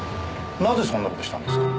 なぜそんな事をしたんですか？